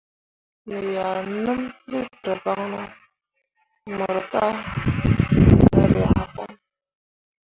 Me ʼyah nəm liiter voŋno mok ka ryah fanne.